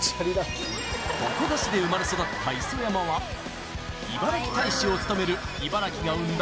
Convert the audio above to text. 鉾田市で生まれ育った磯山はいばらき大使を務める茨城が生んだ